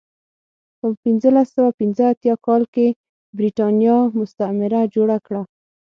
په پنځلس سوه پنځه اتیا کال کې برېټانیا مستعمره جوړه کړه.